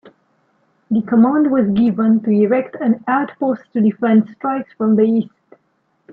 The command was given to erect an outpost to defend strikes from the east.